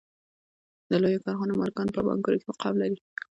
د لویو کارخانو مالکان په بانکونو کې مقام لري